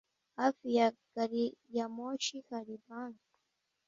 Hafi ya gariyamoshi hari banki?